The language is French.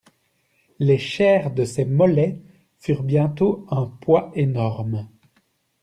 Les chairs de ses mollets furent bientôt un poids énorme.